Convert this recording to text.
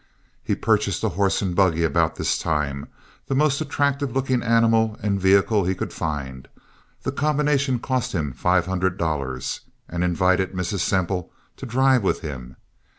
He purchased a horse and buggy about this time—the most attractive looking animal and vehicle he could find—the combination cost him five hundred dollars—and invited Mrs. Semple to drive with him.